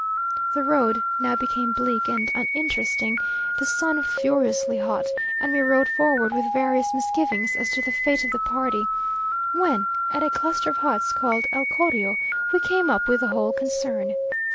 The road now became bleak and uninteresting, the sun furiously hot, and we rode forward with various misgivings as to the fate of the party; when at a cluster of huts called el Correo, we came up with the whole concern.